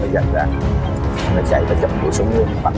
đạp cái súng